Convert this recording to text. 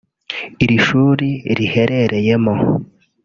iri shuri riherereyemo